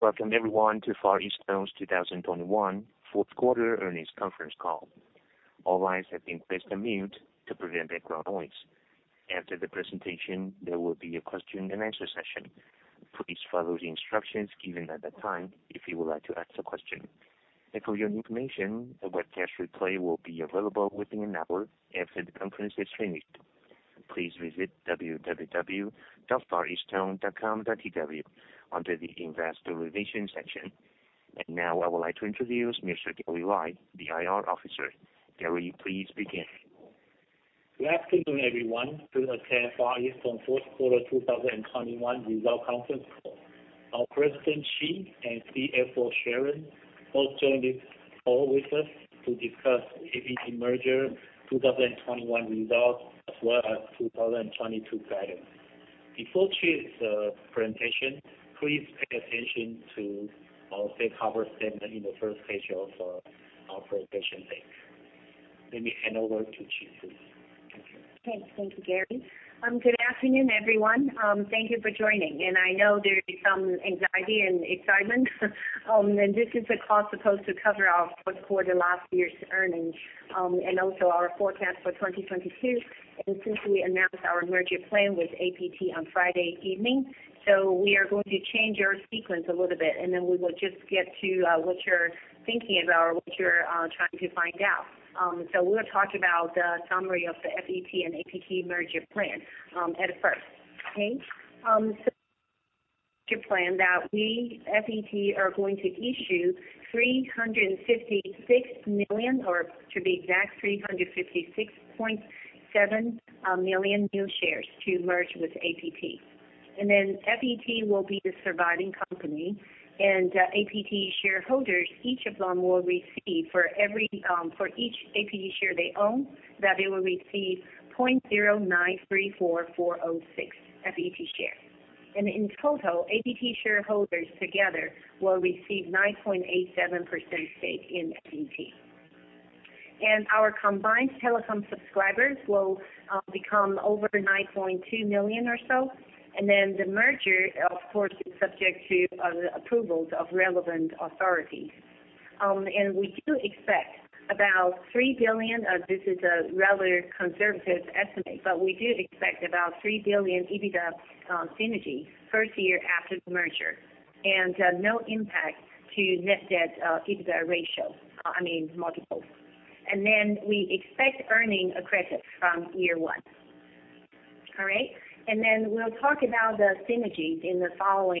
Welcome everyone to Far EasTone's 2021 fourth quarter earnings conference call. All lines have been placed on mute to prevent background noise. After the presentation, there will be a question and answer session. Please follow the instructions given at that time if you would like to ask a question. For your information, a webcast replay will be available within an hour after the conference is finished. Please visit www.fareastone.com.tw under the Investor Relations section. Now, I would like to introduce Mr. Gary Lai, the IR Officer. Gary, please begin. Good afternoon, everyone who attend Far EasTone fourth quarter 2021 results conference call. Our President, Chee, and CFO, Sharon, both joined this call with us to discuss APT merger 2021 results, as well as 2022 guidance. Before Chee's presentation, please pay attention to our safe harbor statement in the first page of our presentation deck. Let me hand over to Chee, please. Thank you. Okay. Thank you, Gary. Good afternoon, everyone. Thank you for joining. I know there is some anxiety and excitement, and this is a call supposed to cover our fourth quarter last year's earnings, and also our forecast for 2022. Since we announced our merger plan with APT on Friday evening, so we are going to change our sequence a little bit, and then we will just get to, what you're thinking about or what you're, trying to find out. We'll talk about the summary of the FET and APT merger plan, at first. Okay? Plan that we, FET, are going to issue 356 million, or to be exact, 356.7 million new shares to merge with APT. FET will be the surviving company, and APT shareholders, each of them will receive for each APT share they own, that they will receive 0.0934406 FET share. In total, APT shareholders together will receive 9.87% stake in FET. Our combined telecom subscribers will become over 9.2 million or so. The merger, of course, is subject to the approvals of relevant authorities. We do expect about 3 billion. This is a rather conservative estimate, but we do expect about 3 billion EBITDA synergy first year after the merger, and no impact to net debt, EBITDA ratio, I mean, multiples. We expect earnings accretive from year one. All right? We'll talk about the synergies in the following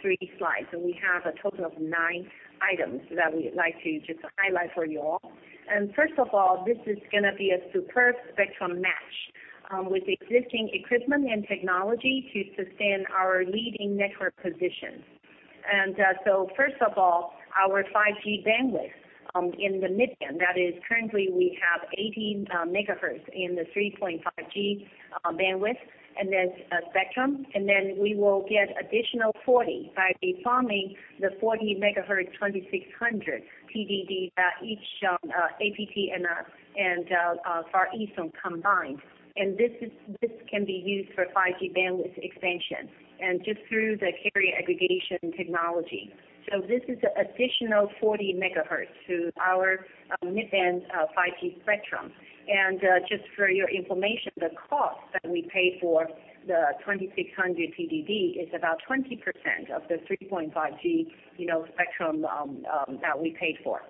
three slides. We have a total of nine items that we'd like to just highlight for you all. First of all, this is going to be a superb spectrum match with existing equipment and technology to sustain our leading network position. First of all, our 5G bandwidth in the mid-band, that is, currently we have 80 MHz in the 3.5 GHz bandwidth, and there's a spectrum, and then we will get additional 40 from the 40 MHz 2600 MHz TDD of APT and Far EasTone combined. This can be used for 5G bandwidth expansion, just through the carrier aggregation technology. This is additional 40 MHz to our mid-band 5G spectrum. Just for your information, the cost that we pay for the 2600 MHz TDD is about 20% of the 3.5 GHz, you know, spectrum that we paid for.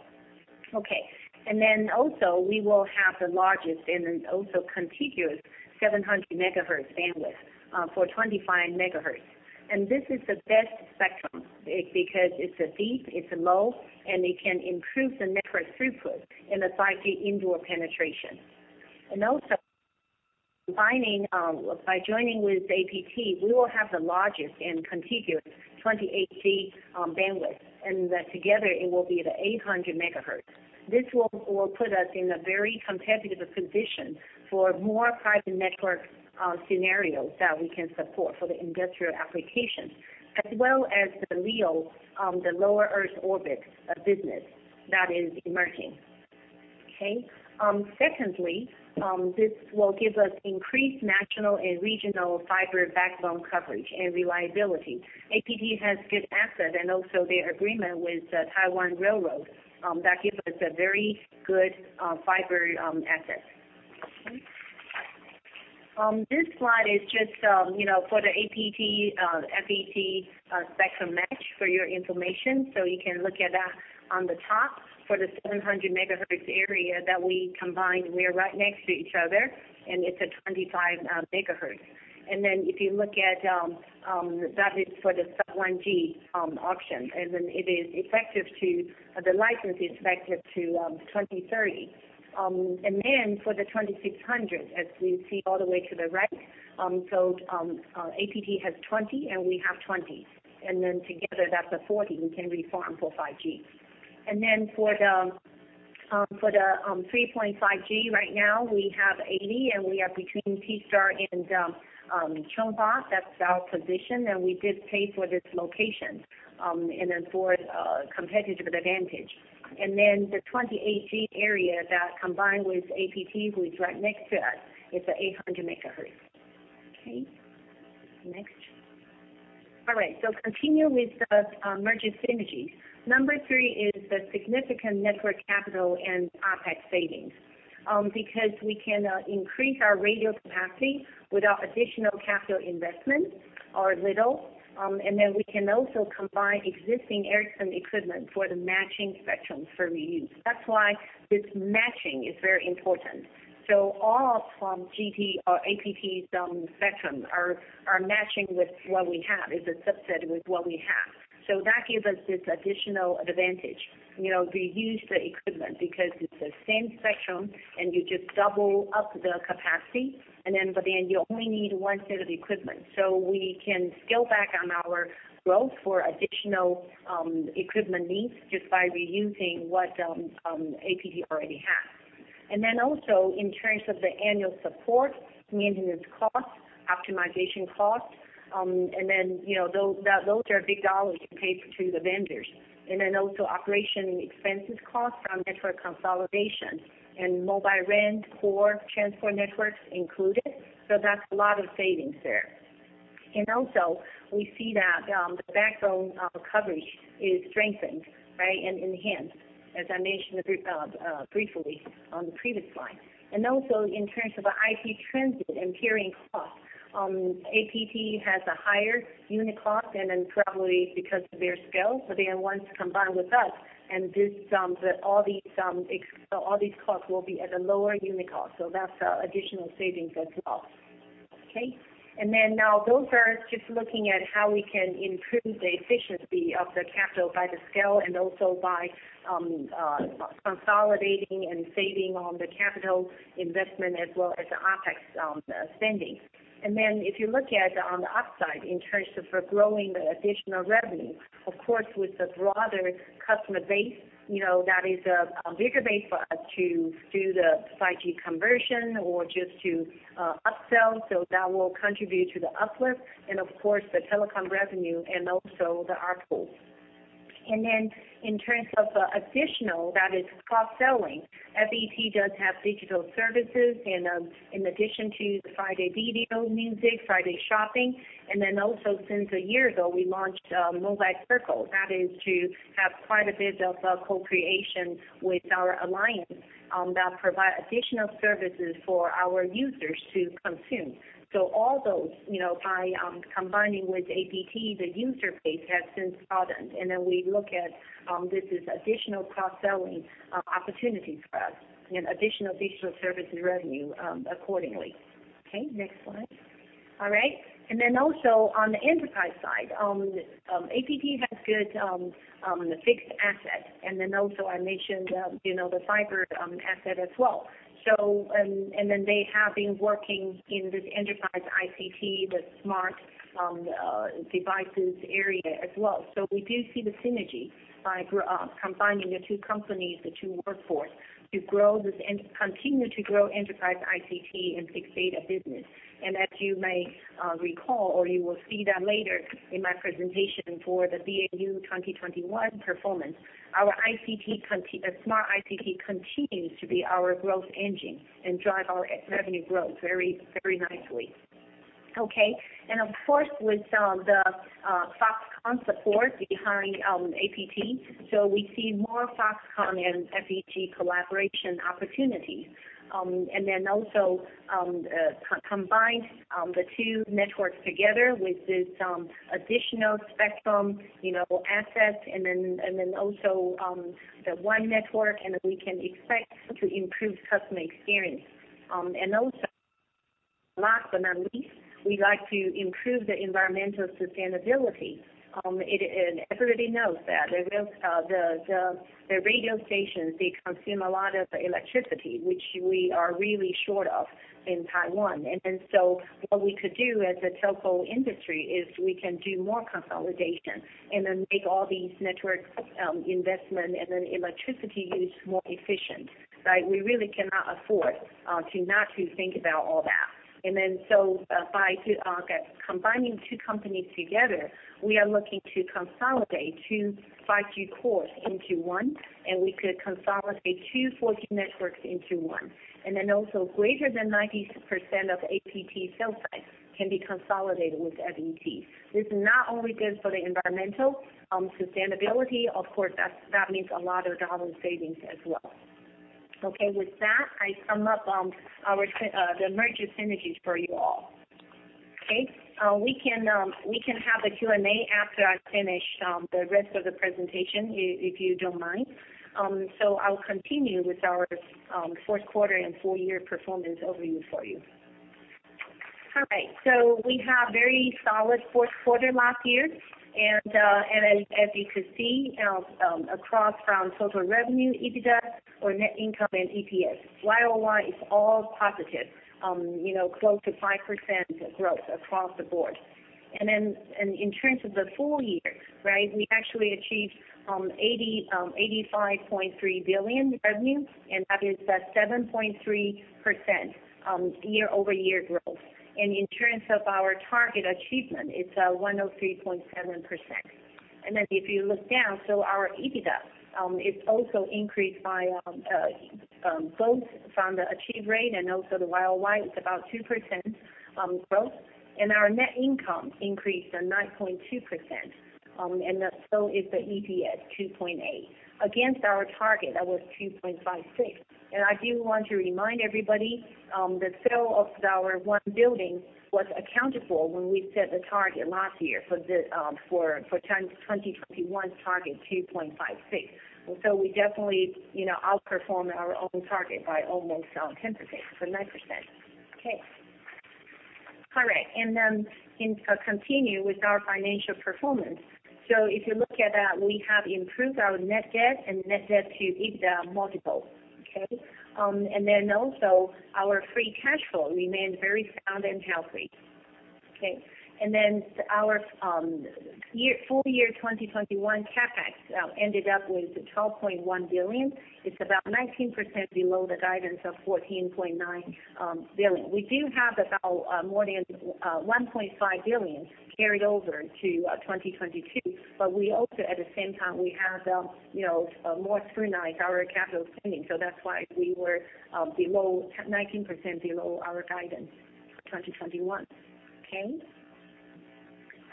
Okay. Then also, we will have the largest and then also contiguous 700 MHz bandwidth for 25 MHz. This is the best spectrum because it's deep, it's low, and it can improve the network throughput in the 5G indoor penetration. Combining by joining with APT, we will have the largest and contiguous 28 GHz bandwidth, and together it will be the 800 MHz. This will put us in a very competitive position for more private network scenarios that we can support for the industrial applications, as well as the LEO, the Low Earth Orbit business that is emerging. Okay. Secondly, this will give us increased national and regional fiber backbone coverage and reliability. APT has good asset and also the agreement with the Taiwan Railway that gives us a very good fiber asset. Okay. This slide is just, you know, for the APT, FET spectrum match for your information. You can look at that on the top for the 700 MHz area that we combined. We are right next to each other, and it's a 25 MHz. Then if you look at, that is for the sub-1 GHz auction, and the license is effective to 2030. For the 2600, as you see all the way to the right, APT has 20 and we have 20. Together, that's a 40 we can refarm for 5G. For the 3.5 GHz, right now we have 80 and we are between T Star and Chunghwa. That's our position. We did pay for this location and then for competitive advantage. The 28 GHz area that combined with APT, who is right next to us, is 800 MHz. Okay. Next. All right, continue with the merger synergies. Number three is the significant network CapEx and OpEx savings, because we can increase our radio capacity without additional capital investment or little, and then we can also combine existing Ericsson equipment for the matching spectrum for reuse. That's why this matching is very important. All from GT or APT some spectrum are matching with what we have, is a subset of what we have. That gives us this additional advantage. You know, we use the equipment because it's the same spectrum, and you just double up the capacity, and then by the end, you only need one set of equipment. We can scale back on our growth for additional equipment needs just by reusing what APT already has. Then also in terms of the annual support, maintenance costs, optimization costs, and then, you know, those are big dollars to pay to the vendors. Then also operating expenses cost from network consolidation and mobile rent for transport networks included. That's a lot of savings there. Also we see that the backbone of coverage is strengthened, right? Enhanced, as I mentioned, briefly on the previous slide. Also in terms of the IP transit and peering cost, APT has a higher unit cost and then probably because of their scale, but they are now combined with us. All these costs will be at a lower unit cost, so that's additional savings as well. Okay. Then now those are just looking at how we can improve the efficiency of the capital by the scale and also by co-consolidating and saving on the capital investment as well as the OpEx spending. If you look at on the upside in terms of for growing the additional revenue, of course, with the broader customer base, you know, that is a bigger base for us to do the 5G conversion or just to upsell, so that will contribute to the uplift and of course the telecom revenue and also the ARPU. In terms of additional, that is cross-selling, FET does have digital services and in addition to the friDay Video music, friDay Shopping, and then also since a year ago, we launched FET Mobile Circle. That is to have quite a bit of co-creation with our alliance that provide additional services for our users to consume. All those, you know, by combining with APT, the user base has since broadened. We look at this is additional cross-selling opportunities for us and additional digital services revenue accordingly. Okay, next slide. All right. Then also on the enterprise side APT has good fixed asset, and then also I mentioned you know the fiber asset as well. Then they have been working in this enterprise ICT, the smart devices area as well. We do see the synergy by combining the two companies, the two workforce to grow this continue to grow enterprise ICT and big data business. As you may recall or you will see that later in my presentation for the BAU 2021 performance, our smart ICT continues to be our growth engine and drive our revenue growth very, very nicely. Okay. Of course, with the Foxconn support behind APT, we see more Foxconn and FET collaboration opportunities. Then also, combine the two networks together with this additional spectrum, you know, assets and then also the one network, and we can expect to improve customer experience. Also, last but not least, we like to improve the environmental sustainability. Everybody knows that. The real radio stations, they consume a lot of electricity, which we are really short of in Taiwan. What we could do as a telco industry is we can do more consolidation and then make all these network investment and then electricity use more efficient, right? We really cannot afford to not think about all that. By combining two companies together, we are looking to consolidate two 5G cores into one, and we could consolidate two 4G networks into one. Also, greater than 90% of APT cell sites can be consolidated with FET. This is not only good for the environmental sustainability, of course, that means a lot of dollar savings as well. Okay. With that, I sum up the merger synergies for you all. Okay? We can have a Q&A after I finish the rest of the presentation, if you don't mind. I'll continue with our fourth quarter and full year performance overview for you. All right. We have very solid fourth quarter last year. As you could see, across from total revenue, EBITDA or net income and EPS, Y-o-Y is all positive, you know, close to 5% growth across the board. In terms of the full year, right, we actually achieved 85.3 billion revenue, and that is a 7.3% year-over-year growth. In terms of our target achievement, it's 103.7%. If you look down, our EBITDA is also increased by both from the achievement rate and also the Y-o-Y, it's about 2% growth. Our net income increased at 9.2%, and is the EPS 2.8 against our target that was 2.56. I do want to remind everybody, the sale of our one building was accounted for when we set the target last year for the 2021 target 2.56. We definitely, you know, outperformed our own target by almost 10%. 9%. Okay. All right. Continue with our financial performance. If you look at that, we have improved our net debt and net debt to EBITDA multiple. Our free cash flow remained very sound and healthy. Okay. Our full year 2021 CapEx ended up with 12.1 billion. It's about 19% below the guidance of 14.9 billion. We do have about more than 1.5 billion carried over to 2022, but we also at the same time we have you know more scrutinized our capital spending. That's why we were 19% below our guidance for 2021. Okay.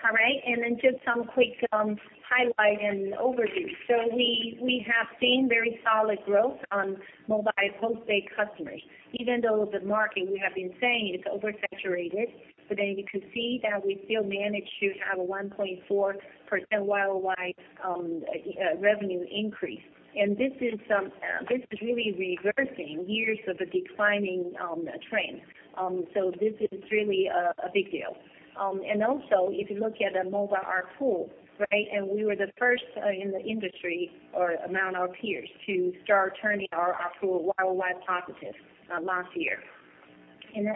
All right. Just some quick highlight and overview. We have seen very solid growth on mobile postpaid customers, even though the market we have been saying it's oversaturated. You can see that we still managed to have a 1.4% YoY revenue increase. This is really reversing years of a declining trend. This is really a big deal. Also if you look at the mobile ARPU, right? We were the first in the industry or among our peers to start turning our ARPU year-over-year positive last year.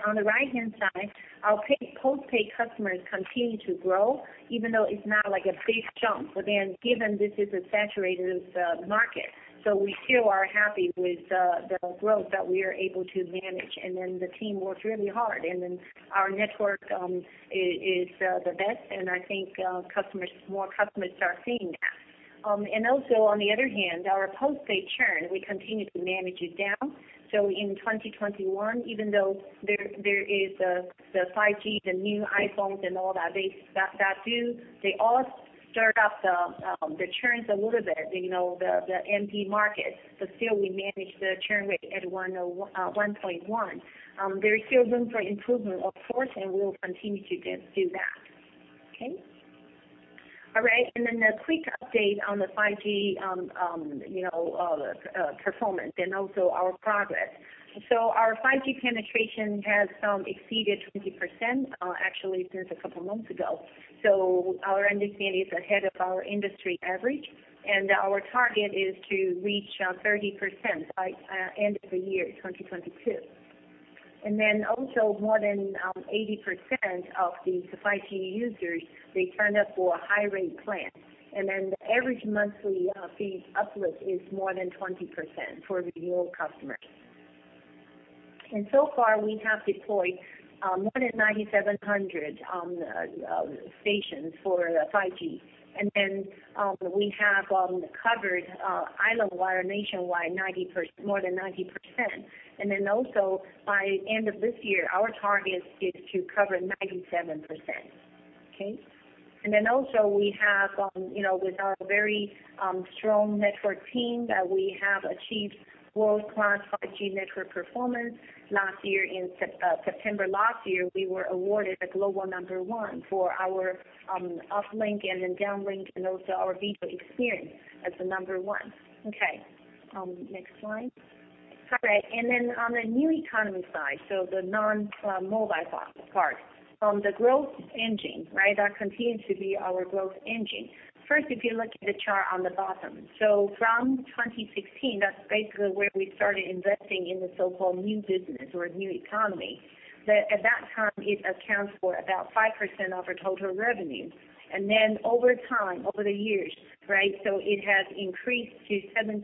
On the right-hand side, our postpaid customers continue to grow, even though it's not like a big jump, but then given this is a saturated market, so we still are happy with the growth that we are able to manage. The team works really hard. Our network is the best, and I think customers, more customers are seeing that. Also on the other hand, our postpaid churn, we continue to manage it down. In 2021, even though there is the 5G, the new iPhones and all that, they all stir up the churn a little bit, you know, the MNP market, but still we manage the churn rate at 1.1%. There is still room for improvement of course, and we'll continue to do that. Okay? All right. Then a quick update on the 5G, you know, performance and also our progress. Our 5G penetration has exceeded 20%, actually since a couple months ago. Our understanding is ahead of our industry average, and our target is to reach 30% by end of the year 2022. More than 80% of the 5G users, they signed up for a high-rate plan. The average monthly fee uplift is more than 20% for renewal customers. So far we have deployed more than 9,700 stations for the 5G. We have covered islandwide or nationwide more than 90%. By end of this year, our target is to cover 97%. Okay? We have, you know, with our very strong network team that we have achieved world-class 5G network performance. Last year in September last year, we were awarded the global number one for our uplink and then downlink and also our video experience as the number one. Okay. Next slide. All right. On the New Economy side, the non-mobile part, the growth engine, right? That continues to be our growth engine. First, if you look at the chart on the bottom. From 2016, that's basically where we started investing in the so-called new business or New Economy, that at that time it accounts for about 5% of our total revenue. Over time, over the years, right? It has increased to 17%.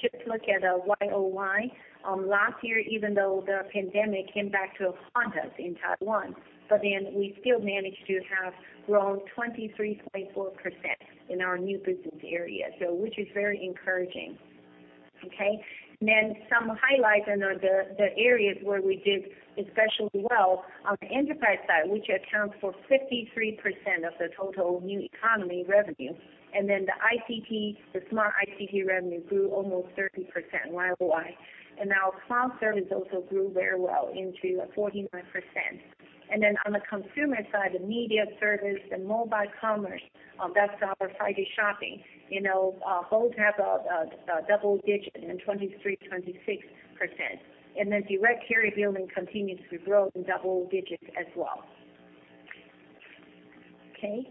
Just look at the Y-o-Y, last year, even though the pandemic came back to haunt us in Taiwan, but then we still managed to have grown 23.4% in our new business area, which is very encouraging. Okay. Some highlights on the areas where we did especially well on the enterprise side, which accounts for 53% of the total New Economy revenue. The smart ICT revenue grew almost 30% Y-o-Y. Our cloud service also grew very well to 49%. On the consumer side, the media service, the mobile commerce, that's our 5G shopping, both have double-digit and 23, 26%. The Direct Carrier Billing continues to grow in double digits as well. Okay.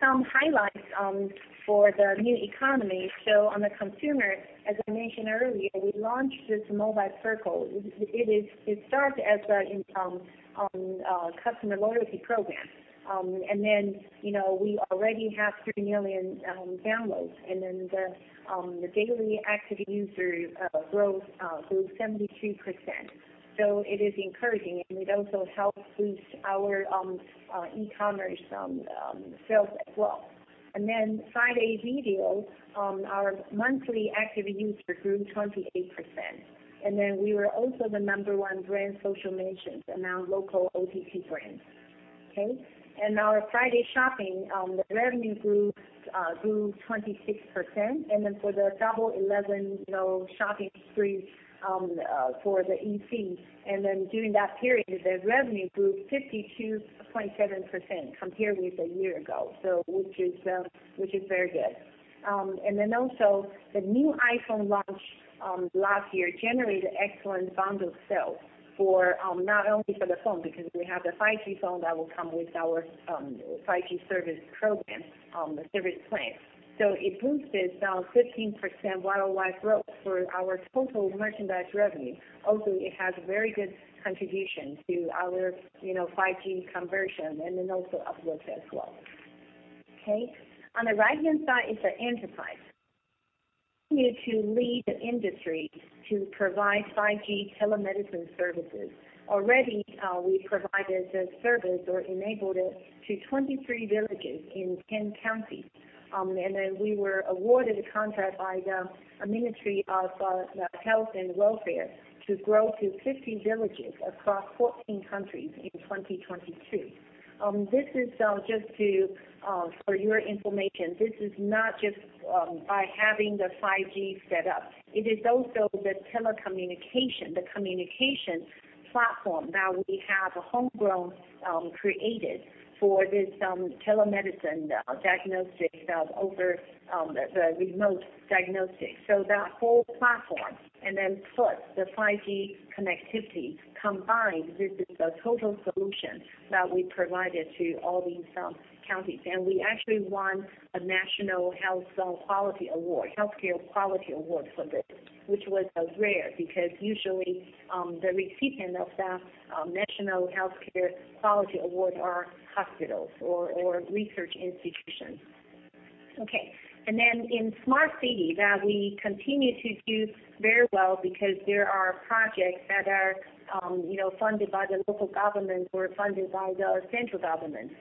Some highlights for the New Economy. On the consumer, as I mentioned earlier, we launched this Mobile Circle. It starts as a customer loyalty program. You know, we already have 3 million downloads, and then the daily active user growth grew 72%. It is encouraging, and it also helps boost our e-commerce sales as well. friDay Video, our monthly active users grew 28%. We were also the number one brand social mentions among local OTT brands. Okay? Our friDay Shopping, the revenue grew 26%. For the Double Eleven, you know, shopping spree, for the e-commerce. During that period, the revenue grew 52.7% compared with a year ago, so which is very good. The new iPhone launch last year generated excellent bundle sale for not only for the phone, because we have the 5G phone that will come with our 5G service program, the service plan. It boosted about 15% Y-o-Y growth for our total merchandise revenue. Also, it has very good contribution to our, you know, 5G conversion and then also upwards as well. Okay. On the right-hand side is the enterprise. Continue to lead the industry to provide 5G telemedicine services. Already, we provided the service or enabled it to 23 villages in 10 counties. We were awarded a contract by the Ministry of Health and Welfare to grow to 50 villages across 14 counties in 2022. This is just for your information. This is not just by having the 5G set up. It is also the telecommunications communication platform that we have homegrown created for this telemedicine diagnostic over the remote diagnostics. That whole platform, and then plus the 5G connectivity combined, this is a total solution that we provided to all these counties. We actually won a National Healthcare Quality Award for this, which was rare because usually the recipient of that National Healthcare Quality Award are hospitals or research institutions. Okay. In smart city that we continue to do very well because there are projects that are you know funded by the local government or funded by the central government.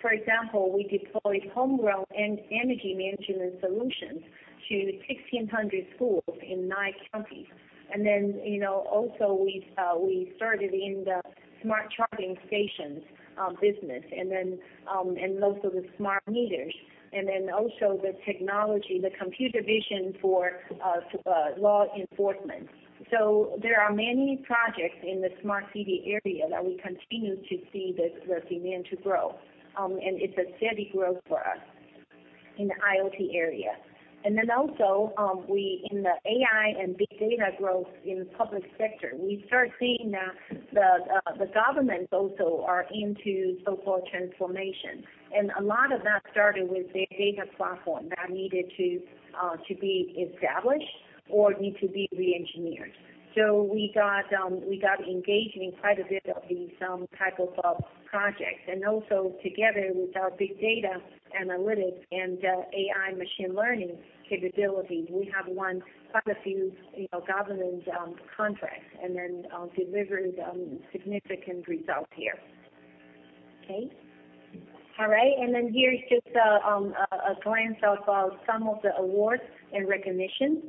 For example, we deployed homegrown and energy management solutions to 1,600 schools in nine counties. You know, also we started in the smart charging stations business and then and also the smart meters, and then also the technology, the computer vision for law enforcement. There are many projects in the smart city area that we continue to see this demand to grow, and it's a steady growth for us in the IoT area. We in the AI and big data growth in public sector, we start seeing that the government also are into so-called transformation. A lot of that started with the data platform that needed to be established or need to be reengineered. We got engaged in quite a bit of these type of projects. Together with our big data analytics and AI machine learning capability, we have won quite a few, you know, government contracts and then delivered significant results here. Okay. All right. Here is just a glance of some of the awards and recognition.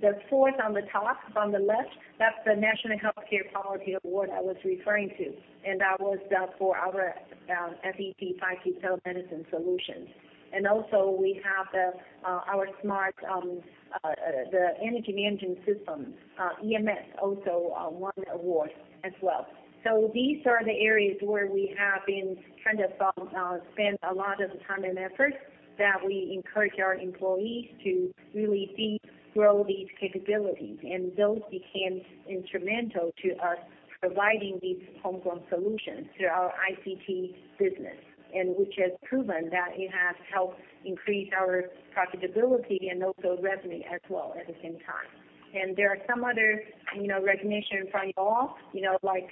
The fourth on the top on the left, that's the National Healthcare Quality Award I was referring to, and that was for our FET 5G telemedicine solutions. We have our smart Energy Management System, EMS, also won awards as well. These are the areas where we have been trying to spend a lot of time and effort that we encourage our employees to really think, grow these capabilities. Those became instrumental to us providing these homegrown solutions through our ICT business, and which has proven that it has helped increase our profitability and also revenue as well at the same time. There are some other, you know, recognition from you all, you know, like,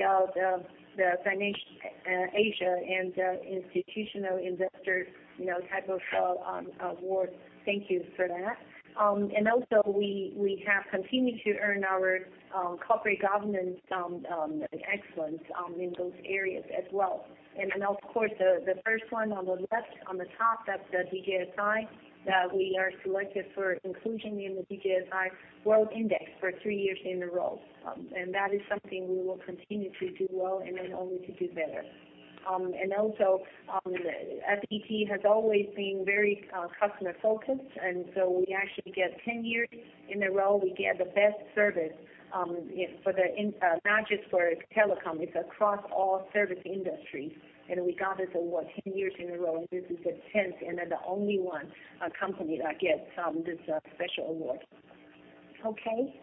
the FinanceAsia and the Institutional Investor, you know, type of award. Thank you for that. We have continued to earn our corporate governance excellence in those areas as well. Of course, the first one on the left on the top, that's the DJSI, that we are selected for inclusion in the DJSI World Index for three years in a row. That is something we will continue to do well and then only to do better. Also, FET has always been very customer-focused, and so we actually get 10 years in a row, we get the best service, you know, not just for telecom, it's across all service industries. We got this award 10 years in a row, and this is the 10th, and then the only one, a company that gets this special award. Okay.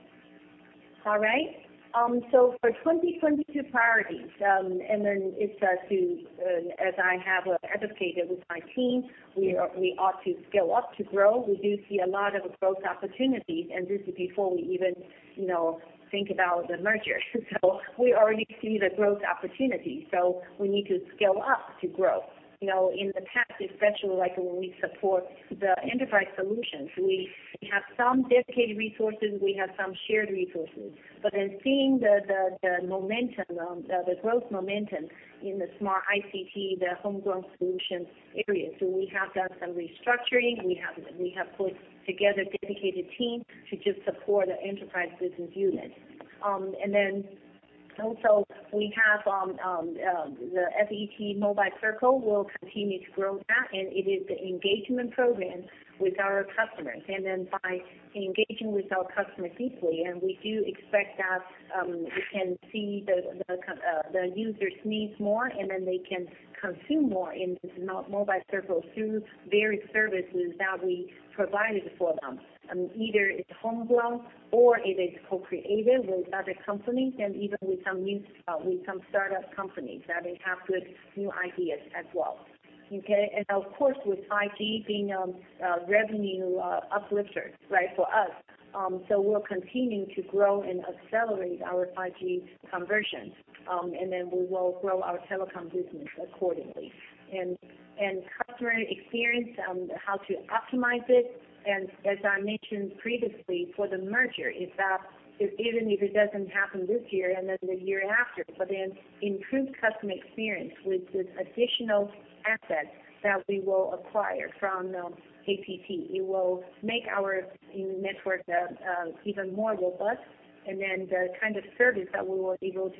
All right. For 2022 priorities, and then it's just to, as I have educated with my team, we ought to scale up to grow. We do see a lot of growth opportunities, and this is before we even, you know, think about the merger. We already see the growth opportunity, so we need to scale up to grow. You know, in the past, especially like when we support the enterprise solutions, we have some dedicated resources, we have some shared resources. Then seeing the momentum, the growth momentum in the smart ICT, the homegrown solution area. We have done some restructuring, we have put together a dedicated team to just support the enterprise business unit. Also, we have the FET Mobile Circle. We'll continue to grow that, and it is the engagement program with our customers. By engaging with our customers deeply, and we do expect that we can see the user's needs more, and then they can consume more in this Mobile Circle through various services that we provided for them. Either it's home grown or it is co-created with other companies and even with some startup companies that they have good new ideas as well. Okay? Of course, with 5G being a revenue uplifter, right, for us, so we're continuing to grow and accelerate our 5G conversion. We will grow our telecom business accordingly. Customer experience on how to optimize it, and as I mentioned previously for the merger, is that if even if it doesn't happen this year and then the year after, but then improved customer experience with this additional asset that we will acquire from APT. It will make our network even more robust. The kind of service that we'll be able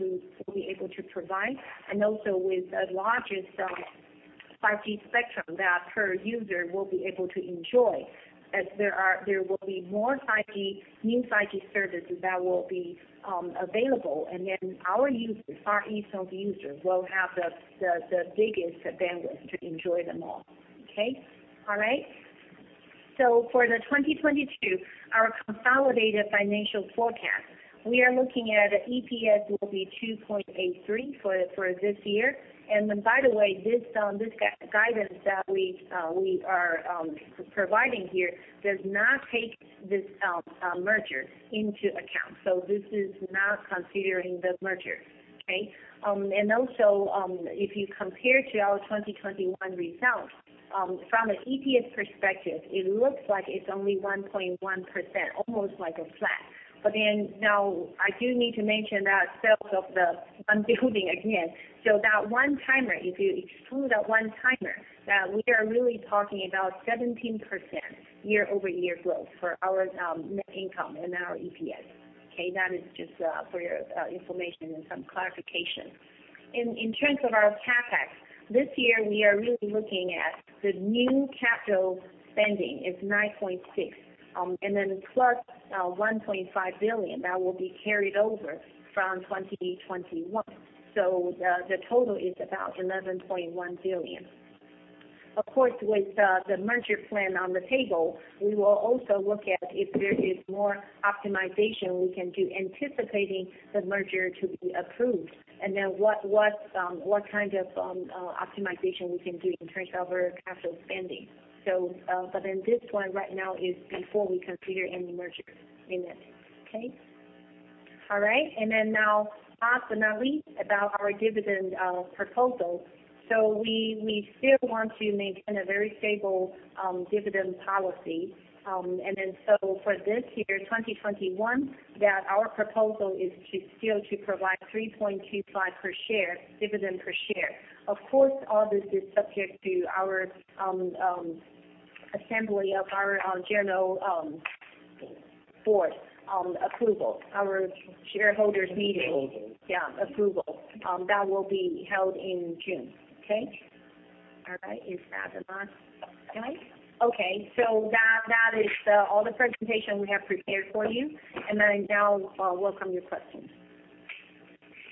to provide and also with the largest 5G spectrum that per user will be able to enjoy. There will be more 5G, new 5G services that will be available. Our users, our eTalk users will have the biggest bandwidth to enjoy them all. Okay. All right. For the 2022, our consolidated financial forecast, we are looking at EPS will be 2.83 for this year. By the way, this guidance that we are providing here does not take this merger into account. This is not considering the merger. Okay? If you compare to our 2021 results, from an EPS perspective, it looks like it's only 1.1%, almost like a flat. I do need to mention that sales of the one building again. That one-timer, if you exclude that one-timer, we are really talking about 17% year-over-year growth for our net income and our EPS, okay? That is just for your information and some clarification. In terms of our CapEx, this year we are really looking at the new capital spending is 9.6 billion, and then plus 1.5 billion that will be carried over from 2021. The total is about 11.1 billion. Of course, with the merger plan on the table, we will also look at if there is more optimization we can do anticipating the merger to be approved. What kind of optimization we can do in terms of our capital spending. This one right now is before we consider any merger in it, okay? All right. Last but not least, about our dividend proposal. We still want to maintain a very stable dividend policy. For this year, 2021, our proposal is to still provide 3.25 dividend per share. Of course, all this is subject to our general assembly and board approval, our shareholders' meeting. Meetings. Yeah, approval. That will be held in June. Okay. All right. Is that the last slide? Okay. That is all the presentation we have prepared for you. I now welcome your questions.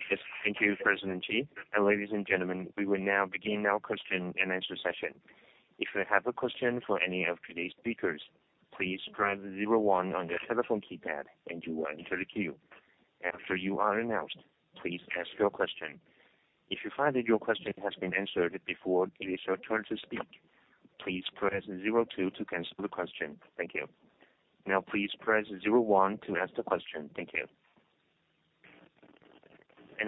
Yes, thank you, President Chee. Ladies and gentlemen, we will now begin our question and answer session. If you have a question for any of today's speakers, please press zero one on your telephone keypad and you will enter the queue. After you are announced, please ask your question. If you find that your question has been answered before it is your turn to speak, please press zero two to cancel the question. Thank you. Now please press zero one to ask the question. Thank you.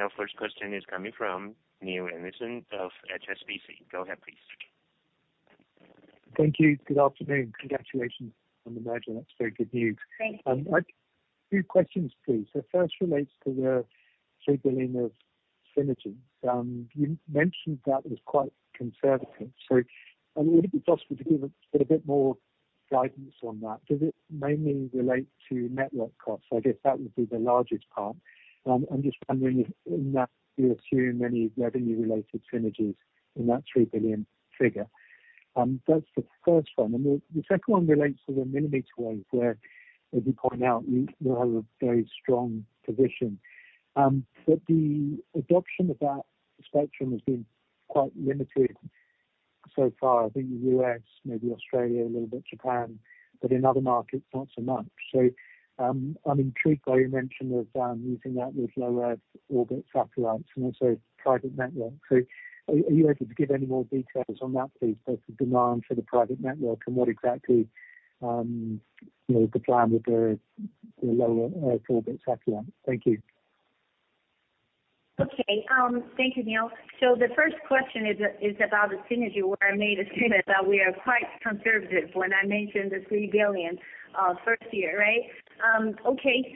Our first question is coming from Neale Anderson of HSBC. Go ahead, please. Thank you. Good afternoon. Congratulations on the merger. That's very good news. Thank you. I have two questions, please. The first relates to the 3 billion of synergies. You mentioned that was quite conservative. Would it be possible to give a bit more guidance on that? Does it mainly relate to network costs? I guess that would be the largest part. I'm just wondering if in that you assume any revenue related synergies in that 3 billion figure. That's the first one. The second one relates to the millimeter wave where, as you point out, you have a very strong position. But the adoption of that spectrum has been quite limited so far. I think the U.S., maybe Australia, a little bit Japan, but in other markets, not so much. I'm intrigued by your mention of using that with low Earth orbit satellites and also private networks. Are you able to give any more details on that please? Both the demand for the private network and what exactly, you know, the plan with the low Earth orbit satellite? Thank you. Okay. Thank you, Neil. The first question is about the synergy where I made a statement that we are quite conservative when I mentioned the 3 billion first year, right? Okay.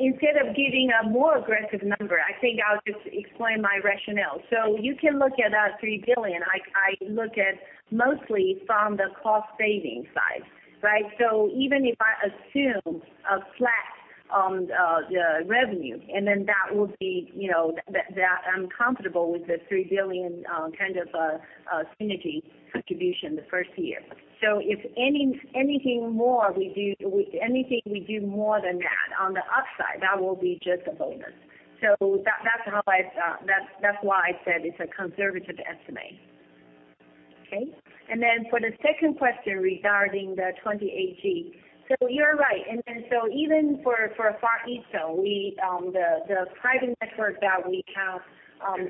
Instead of giving a more aggressive number, I think I'll just explain my rationale. You can look at our 3 billion. I look at mostly from the cost saving side, right? Even if I assume a flat, the revenue, and then that will be, you know, that I'm comfortable with the 3 billion kind of synergy contribution the first year. If anything more we do, anything we do more than that on the upside, that will be just a bonus. That's how I, that's why I said it's a conservative estimate. Okay? For the second question regarding the 28 GHz. You're right. Even for Far EasTone, the private network that we have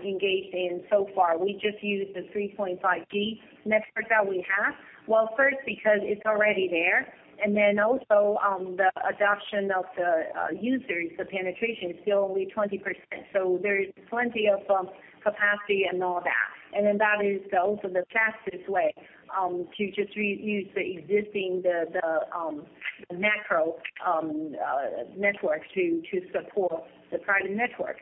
engaged in so far, we just use the 3.5 GHz network that we have. Well, first, because it's already there, and then also, the adoption of the users, the penetration is still only 20%. There is plenty of capacity and all that. That is also the fastest way to just reuse the existing macro network to support the private network.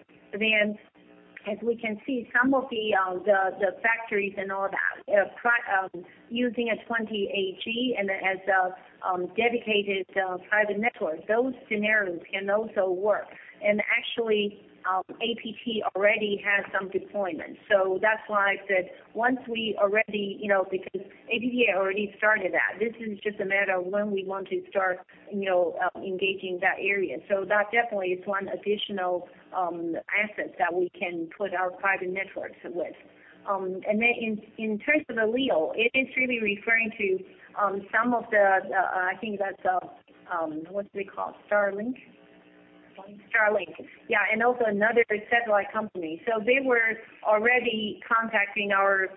As we can see, some of the factories and all that are using 28 GHz as a dedicated private network, those scenarios can also work. Actually, APT already has some deployments. That's why I said once we already, you know, because APT already started that. This is just a matter of when we want to start, you know, engaging that area. That definitely is one additional asset that we can put our private networks with. In terms of the LEO, it is really referring to some of the. I think that's what's it called? Starlink. Starlink. Yeah, and also another satellite company. They were already contacting our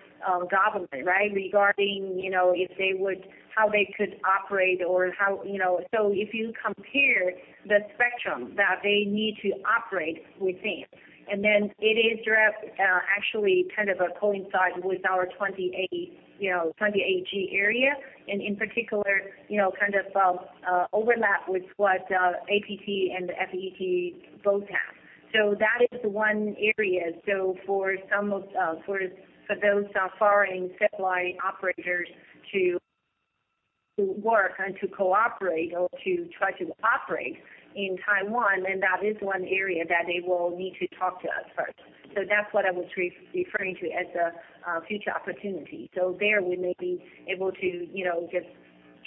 government, right? Regarding, you know, how they could operate or how, you know. If you compare the spectrum that they need to operate with them, and then it is direct, actually kind of coincide with our 2G, you know, 2G area, and in particular, you know, kind of overlap with what APT and the FET both have. That is one area. For some of those foreign satellite operators to work and to cooperate or to try to operate in Taiwan, then that is one area that they will need to talk to us first. That's what I was referring to as a future opportunity. There we may be able to, you know, just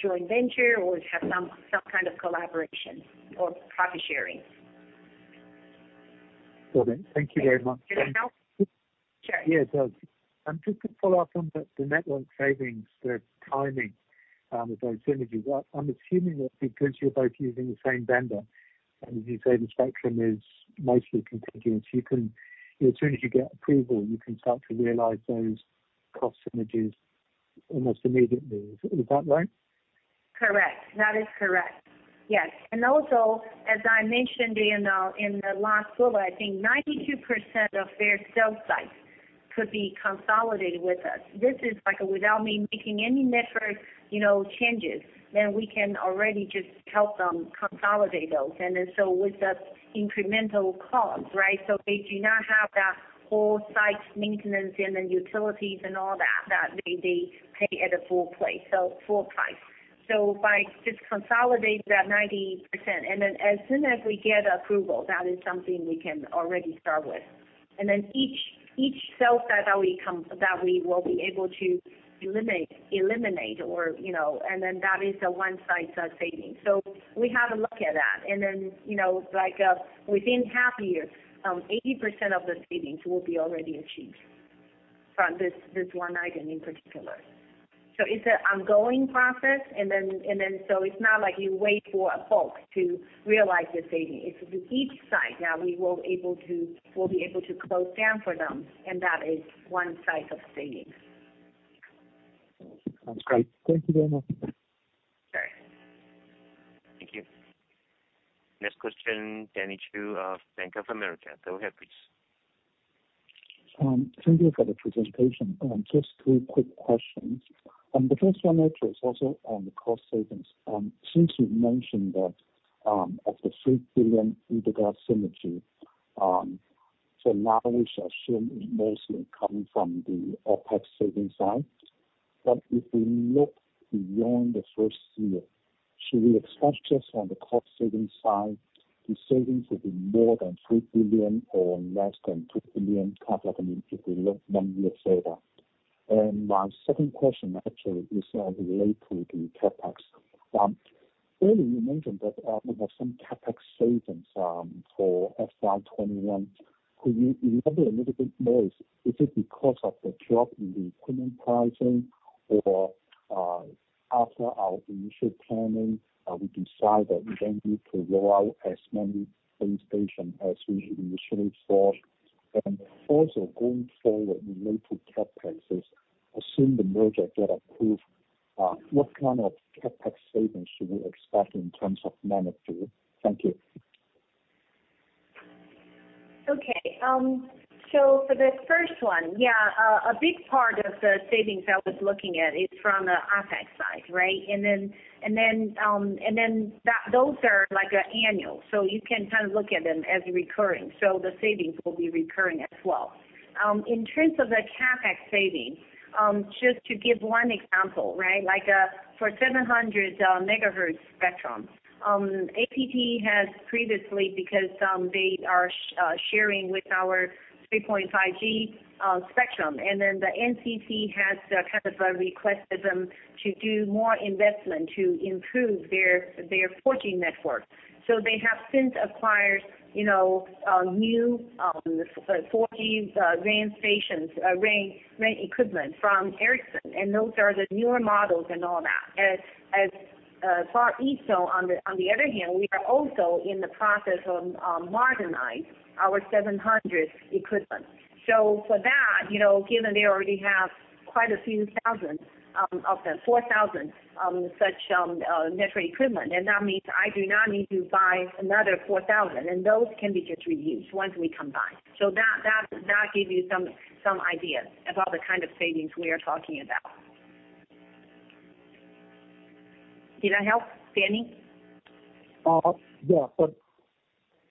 joint venture or have some kind of collaboration or profit sharing. Well. Thank you very much. Did that help? Sure. Yes. Just to follow up on the network savings, the timing of those synergies. I'm assuming that because you're both using the same vendor, and as you say the spectrum is mostly contiguous, you can, you know, as soon as you get approval, you can start to realize those cost synergies almost immediately. Is that right? Correct. That is correct. Yes. Also as I mentioned in the last quarter, I think 92% of their cell sites could be consolidated with us. This is like without me making any network, you know, changes, then we can already just help them consolidate those. With the incremental cost, right? They do not have that whole site maintenance and then utilities and all that they pay at a full rate, so full price. By just consolidating that 90%, and then as soon as we get approval, that is something we can already start with. Each cell site that we will be able to eliminate or, you know, and then that is a one-site savings. We have a look at that. You know, like, within half year, 80% of the savings will be already achieved from this one item in particular. It's an ongoing process. It's not like you wait for a bulk to realize the savings. It's each site that we'll be able to close down for them, and that is one site of savings. Sounds great. Thank you very much. Okay. Thank you. Next question, Danny Chu of Bank of America. Go ahead, please. Thank you for the presentation. Just two quick questions. The first one actually is also on the cost savings. Since you've mentioned that, of the 3 billion integrated synergy, so now we should assume it mostly come from the OpEx savings side. But if we look beyond the first year, should we expect just on the cost savings side, the savings will be more than 3 billion or less than 2 billion? Kind of like, I mean, if we look one year further. My second question actually is related to CapEx. Earlier you mentioned that, there was some CapEx savings for FY 2021. Could you elaborate a little bit more? Is it because of the drop in the equipment pricing or, after our initial planning, we decide that we don't need to roll out as many base station as we initially thought? Also going forward related to CapExes, assume the merger get approved, what kind of CapEx savings should we expect in terms of magnitude? Thank you. Okay. For the first one, yeah, a big part of the savings I was looking at is from the OpEx side, right? Those are like annual, so you can kind of look at them as recurring. The savings will be recurring as well. In terms of the CapEx savings, just to give one example, right? Like, for 700 MHz spectrum, APT has previously, because they are sharing with our 3.5 GHz spectrum, and then the NCC has kind of requested them to do more investment to improve their 4G network. They have since acquired, you know, new 4G RAN equipment from Ericsson, and those are the newer models and all that. Far EasTone, on the other hand, we are also in the process of modernize our 700 equipment. For that, you know, given they already have quite a few thousand of them, 4,000 such network equipment, and that means I do not need to buy another 4,000, and those can be just reused once we combine. That give you some ideas about the kind of savings we are talking about. Did I help, Danny?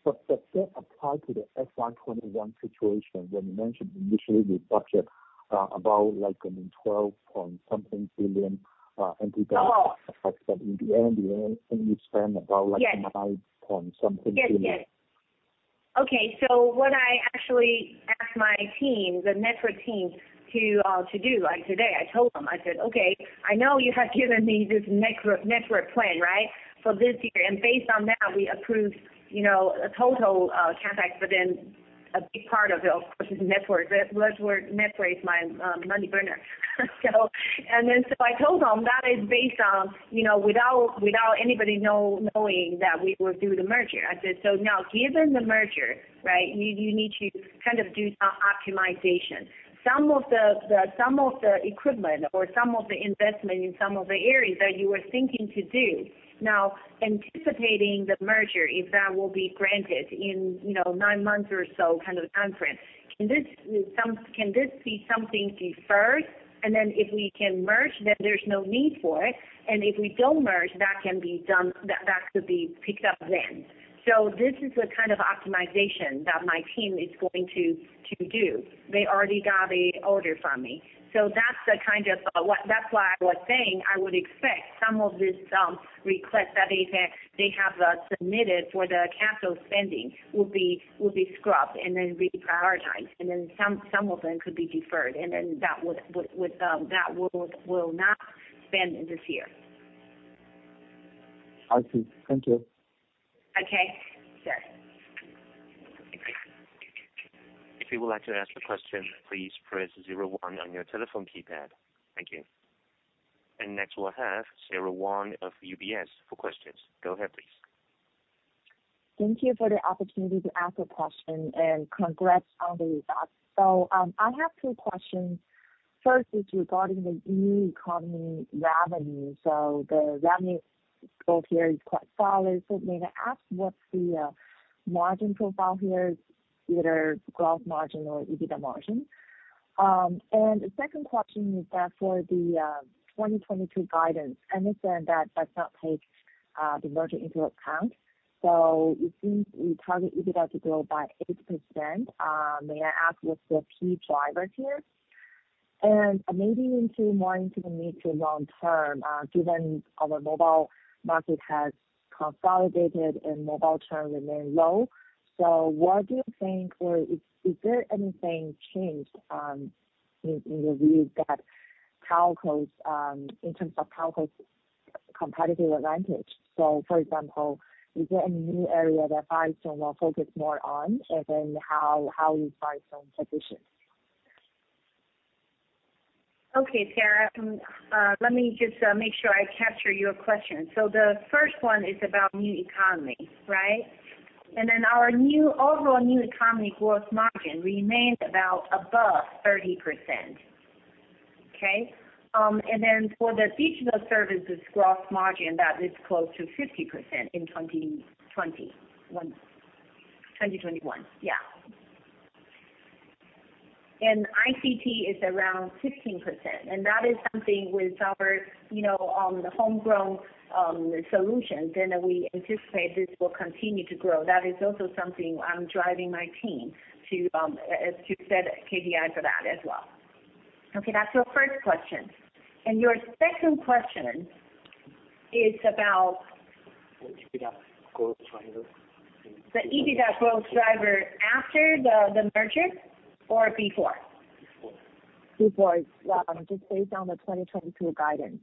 Yeah, the third apply to the FY 2021 situation that you mentioned initially with budget, about like, I mean, TWD 12.something billion EBITDA. Oh. In the end, you only spend about like nine point something billion. Yes. Yes, yes. Okay. What I actually asked my team, the network team to do, like today, I told them, I said, "Okay, I know you have given me this network plan, right? For this year, and based on that, we approved, you know, a total CapEx, but then a big part of it, of course, is network. Network is my money burner." I told them that is based on, you know, without anybody knowing that we will do the merger. I said, "So now given the merger, right, you need to kind of do some optimization. Some of the equipment or some of the investment in some of the areas that you were thinking to do, now anticipating the merger, if that will be granted in, you know, nine months or so kind of time frame, can this be something deferred? Then if we can merge, then there's no need for it. If we don't merge, that can be done, that could be picked up then. This is the kind of optimization that my team is going to do. They already got the order from me. That's why I was saying I would expect some of this request that they have submitted for the capital spending will be scrubbed and then reprioritized, and then some of them could be deferred, and then that would, that will not spend this year. I see. Thank you. Okay. Sure. Next we'll have Sara Wang of UBS for questions. Go ahead, please. Thank you for the opportunity to ask a question, and congrats on the results. I have two questions. First is regarding the New Economy revenue. The revenue growth here is quite solid. May I ask what's the margin profile here, either gross margin or EBITDA margin? And the second question is that for the 2022 guidance, I understand that does not take the merger into account. It seems we target EBITDA to grow by 8%. May I ask what's the key driver here? And maybe more into the mid to long term, given our mobile market has consolidated and mobile churn remain low. What do you think or is there anything changed in your view that Far EasTone in terms of Far EasTone's competitive advantage? For example, is there any new area that Far EasTone will focus more on? How you Far EasTone positions? Okay, Sarah. Let me just make sure I capture your question. The first one is about New Economy, right? Our overall New Economy growth margin remains about above 30%. Okay? For the digital services growth margin, that is close to 50% in 2021, yeah. ICT is around 15%, and that is something with our, you know, homegrown solution. We anticipate this will continue to grow. That is also something I'm driving my team to as to set KPI for that as well. Okay, that's your first question. Your second question is about? The EBITDA growth driver. The EBITDA growth driver after the merger or before? Before. Yeah. Just based on the 2022 guidance.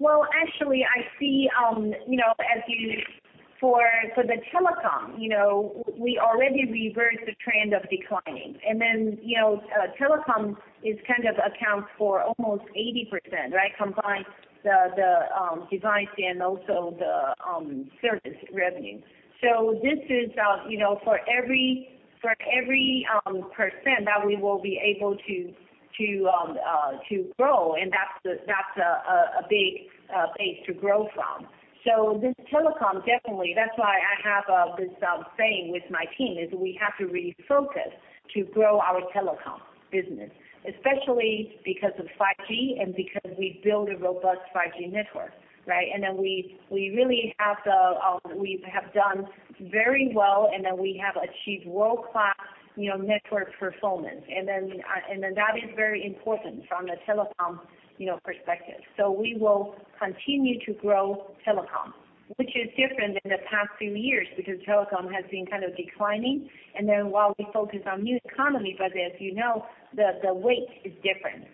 Well, actually, I see, you know, as for the telecom, you know, we already reversed the trend of declining. Telecom accounts for almost 80%, right? Combined the device and also the service revenue. This is, you know, for every percent that we will be able to to grow, and that's a big base to grow from. Telecom definitely, that's why I have this saying with my team, is we have to really focus to grow our telecom business, especially because of 5G and because we build a robust 5G network, right? We really have done very well, and we have achieved world-class, you know, network performance. That is very important from the telecom, you know, perspective. We will continue to grow telecom, which is different in the past few years because telecom has been kind of declining. While we focus on new economy, but as you know, the weight is different.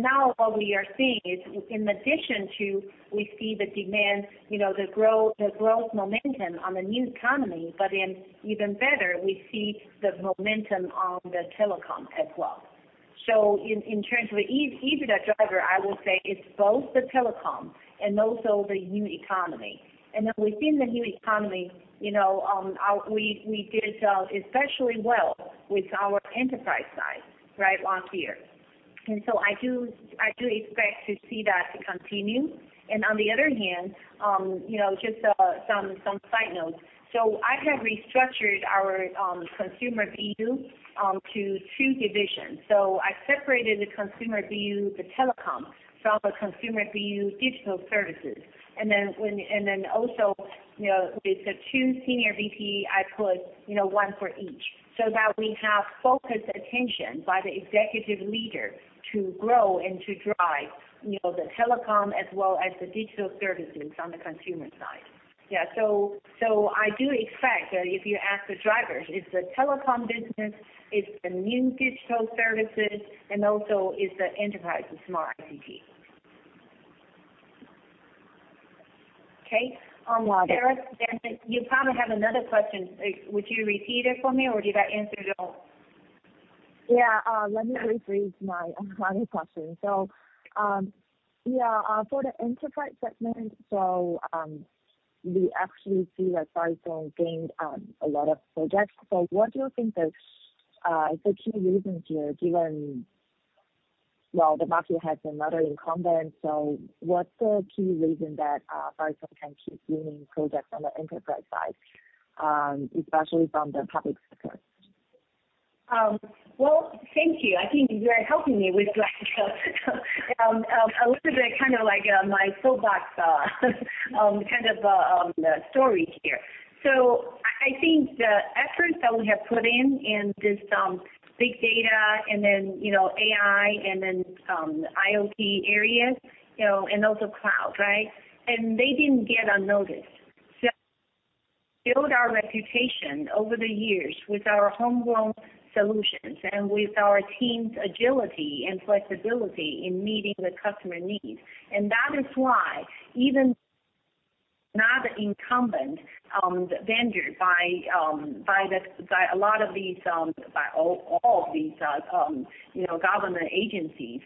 Now what we are seeing is in addition to we see the demand, you know, the growth momentum on the new economy, but then even better, we see the momentum on the telecom as well. In terms of each of the driver, I will say it's both the telecom and also the new economy. Within the new economy, you know, we did especially well with our enterprise side, right, last year. I do expect to see that continue. On the other hand, you know, just some side notes. I have restructured our consumer BU to two divisions. I separated the consumer BU, the telecom from the consumer BU digital services. And then also, you know, with the two senior VP, I put, you know, one for each, so that we have focused attention by the executive leader to grow and to drive, you know, the telecom as well as the digital services on the consumer side. Yeah. So I do expect that if you ask the drivers, it's the telecom business, it's the new digital services, and also it's the enterprise, the smart ICT. Okay. Got it. You probably have another question. Would you repeat it for me, or did I answer it all? Yeah. Let me rephrase my final question. For the enterprise segment, we actually see that Far EasTone gained a lot of projects. What do you think is the key reasons here, given the market has another incumbent. Well, what's the key reason that Far EasTone can keep winning projects on the enterprise side, especially from the public sector? Well, thank you. I think you are helping me with like, a little bit kind of like, my soapbox kind of story here. I think the efforts that we have put in this big data and then, you know, AI and then, IoT areas, you know, and also cloud, right? They didn't go unnoticed. We built our reputation over the years with our homegrown solutions and with our team's agility and flexibility in meeting the customer needs. That is why even non-incumbent vendors by all of these, you know, government agencies.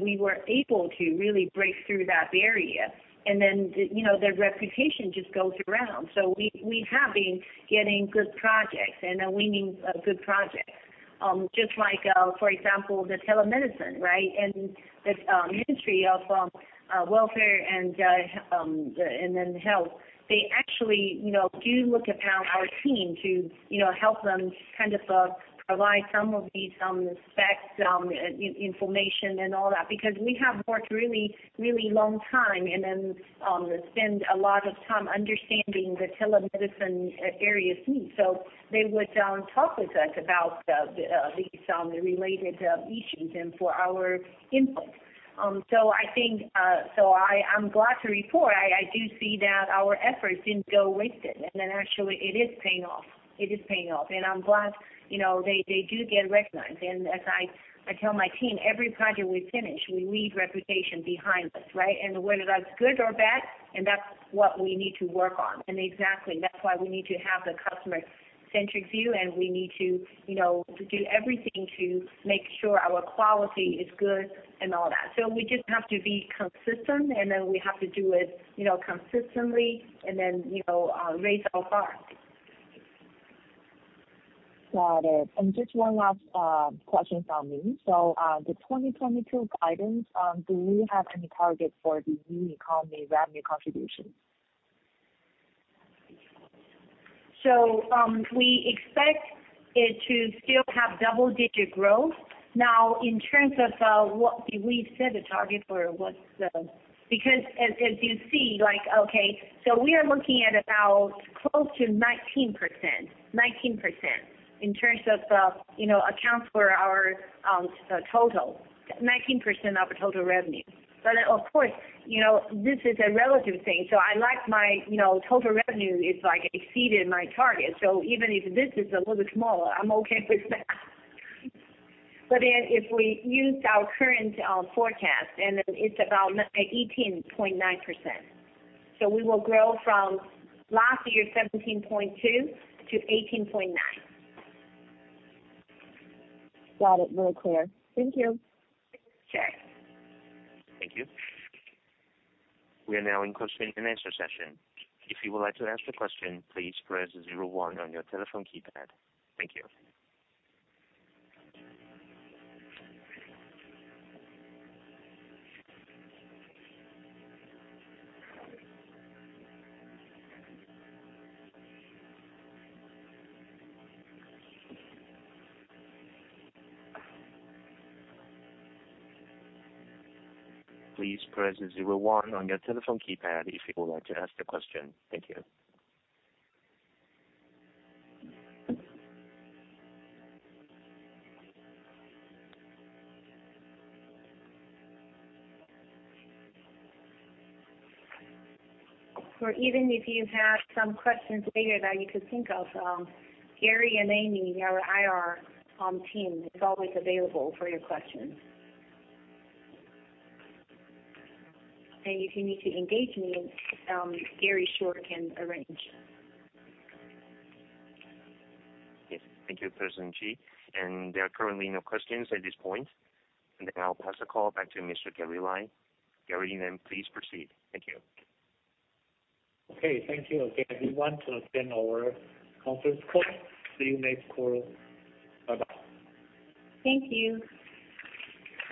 We were able to really break through that barrier. You know, the reputation just goes around. We have been getting good projects, and then winning good projects. Just like for example, the telemedicine, right? The Ministry of Health and Welfare, they actually you know do look upon our team to you know help them kind of provide some of these specs information and all that. Because we have worked really long time and then spend a lot of time understanding the telemedicine various needs. They would talk with us about these related issues and for our input. I think so I I'm glad to report I do see that our efforts didn't go wasted. Actually it is paying off. It is paying off. I'm glad you know they do get recognized. As I tell my team, every project we finish, we leave reputation behind us, right? Whether that's good or bad, and that's what we need to work on. Exactly, that's why we need to have the customer-centric view, and we need to, you know, to do everything to make sure our quality is good and all that. We just have to be consistent, and then we have to do it, you know, consistently and then, you know, raise our bar. Got it. Just one last question from me. The 2022 guidance, do you have any target for the New Economy revenue contribution? We expect it to still have double-digit growth. Now, in terms of, because as you see, like, okay, so we are looking at about close to 19%, 19% in terms of, you know, accounts for our total. 19% of the total revenue. But of course, you know, this is a relative thing, so I like my, you know, total revenue is like exceeded my target. Even if this is a little bit smaller, I'm okay with that. If we use our current forecast, and then it's about 18.9%. We will grow from last year's 17.2%-18.9%. Got it. Very clear. Thank you. Okay. Thank you. We are now in question and answer session. If you would like to ask a question, please press zero one on your telephone keypad. Thank you. Please press zero one on your telephone keypad if you would like to ask a question. Thank you. Even if you have some questions later that you could think of, Gary and Amy in our IR team is always available for your questions. If you need to engage me, Gary Lai can arrange. Yes. Thank you, President Chee. There are currently no questions at this point. I'll pass the call back to Mr. Gary Lai. Gary, please proceed. Thank you. Okay. Thank you. Okay. We want to end our conference call. See you next call. Bye-bye. Thank you.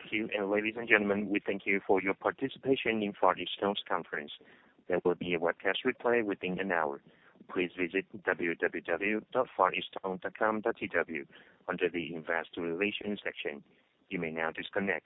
Thank you. Ladies and gentlemen, we thank you for your participation in Far EasTone's conference. There will be a webcast replay within an hour. Please visit www.fareastone.com.tw under the investor relations section. You may now disconnect.